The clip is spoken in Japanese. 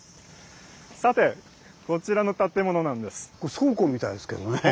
さてこちらの建物なんです。